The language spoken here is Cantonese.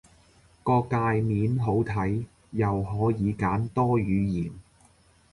個介面好睇，又可以揀多語言